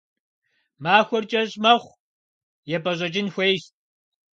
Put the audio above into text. Махуэр кӏэщӏ мэхъу, епӏэщӏэкӏын хуейщ.